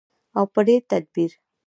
او په ډیر تدبیر.